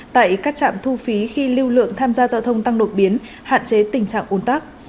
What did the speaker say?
tại các trạm thu phí khi lưu lượng tham gia giao thông tăng đột biến hạn chế tình trạng ôn tắc